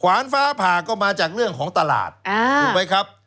ฟ้าผ่าก็มาจากเรื่องของตลาดถูกไหมครับ